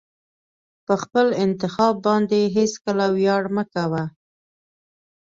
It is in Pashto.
په خپل انتخاب باندې هېڅکله ویاړ مه کوه.